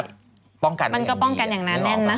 มันก็ป้องกันอย่างแน่น